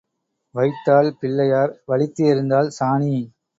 வைத்தால் பிள்ளையார், வழித்து எறிந்தால் சாணி.